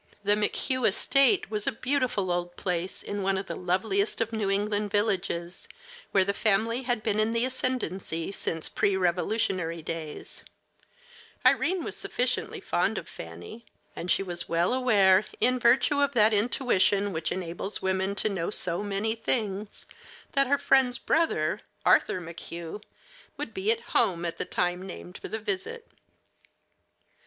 The McHugh estate was a beautiful old place in one of the loveliest of New England villages, where the family had been in the ascendancy since pre Revolutionary days; Irene was sufficiently fond of Fanny; and she was well aware, in virtue of that intuition which enables women to know so many things, that her friend's brother, Arthur McHugh, would be at home at the time named for the visit.